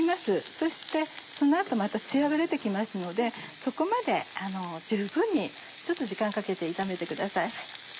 そしてその後またツヤが出て来ますのでそこまで十分にちょっと時間かけて炒めてください。